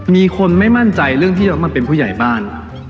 มีคนไม่มั่นใจเรื่องที่เรามาเป็นผู้ใหญ่บ้าน